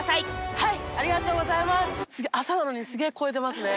はい。